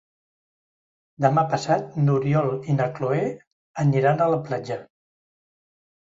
Demà passat n'Oriol i na Cloè aniran a la platja.